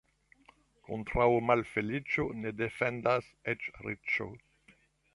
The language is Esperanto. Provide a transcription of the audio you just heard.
Kontraŭ malfeliĉo ne defendas eĉ riĉo.